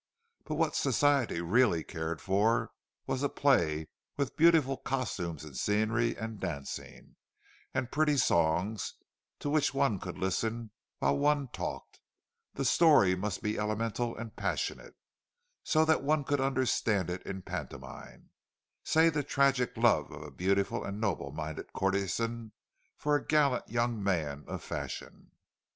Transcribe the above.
But what Society really cared for was a play with beautiful costumes and scenery and dancing, and pretty songs to which one could listen while one talked; the story must be elemental and passionate, so that one could understand it in pantomime—say the tragic love of a beautiful and noble minded courtesan for a gallant young man of fashion.